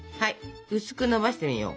薄くのばしてみよう。